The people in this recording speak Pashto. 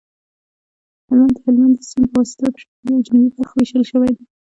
هلمند د هلمند سیند په واسطه په شمالي او جنوبي برخو ویشل شوی دی